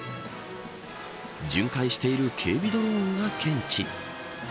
巡回している警備ドローンが検知。